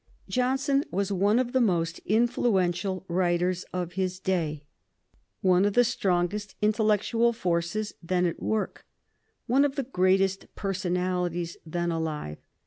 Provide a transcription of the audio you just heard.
Johnson was one of the most influential writers of his day, one of the strongest intellectual forces then at work, one of the greatest personalities then alive.